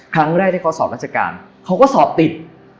ครั้งแรกที่เขาสอบราชการเขาก็สอบติด